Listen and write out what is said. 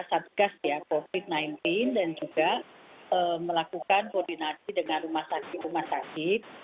satgas ya covid sembilan belas dan juga melakukan koordinasi dengan rumah sakit rumah sakit